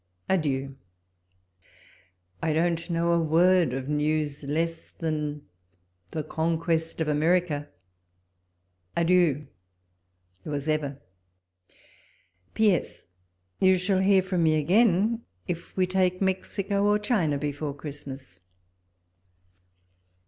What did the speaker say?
Adieu ! I don't know a word of news less than the conquest of America. Adieu ! yours ever. P.S. — You shall hear from me again if we take Mexico or China before Christmas.